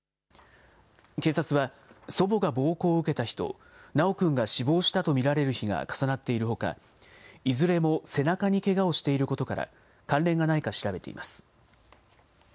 警察は祖母が暴行を受けた日と、修くんが死亡したと見られる日が重なっているほか、いずれも背中にけがをしていることから、関連がないか調べています。